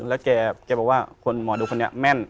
แล้วแกบอกว่าคนหมอดูคนนี้แม่น